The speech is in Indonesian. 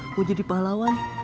mau jadi pahlawan